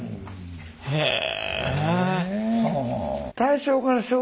へえ。